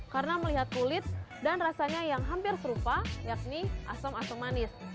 karena melihat kulit dan rasanya yang hampir serupa yakni asam asam manis